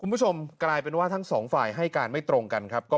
คุณผู้ชมกลายเป็นว่าทั้งสองฝ่ายให้การไม่ตรงกันครับ